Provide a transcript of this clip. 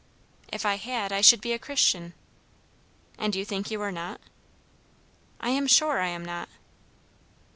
"If I had, I should be a Christian." "And you think you are not?" "I am sure I am not."